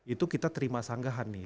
itu kita terima sanggahan nih